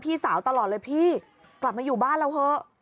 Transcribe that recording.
พี่สาวตลอดเลยพี่กลับมาอยู่บ้านเราเถอะ